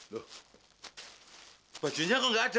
loh bajunya kok nggak ada